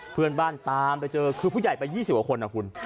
เพื่อนบ้านตามไปเจอคือผู้ใหญ่ไปยี่สิบกว่าคนอ่ะคุณ